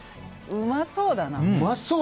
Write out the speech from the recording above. うまそうだな。